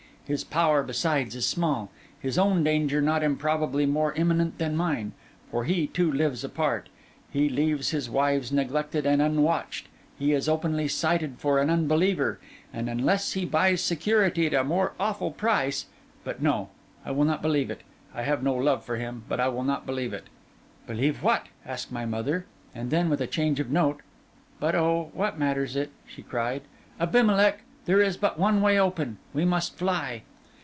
His power, besides, is small, his own danger not improbably more imminent than mine; for he, too, lives apart; he leaves his wives neglected and unwatched; he is openly cited for an unbeliever; and unless he buys security at a more awful price—but no; I will not believe it: I have no love for him, but I will not believe it.' 'Believe what?' asked my mother; and then, with a change of note, 'But oh, what matters it?' she cried. 'Abimelech, there is but one way open: we must fly!